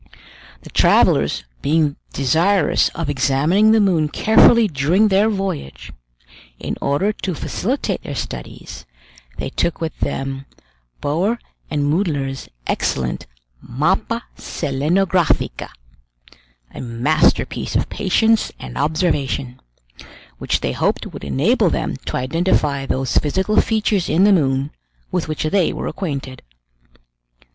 The travelers being desirous of examing the moon carefully during their voyage, in order to facilitate their studies, they took with them Boeer and Moeller's excellent Mappa Selenographica, a masterpiece of patience and observation, which they hoped would enable them to identify those physical features in the moon, with which they were acquainted.